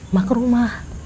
mak ke rumah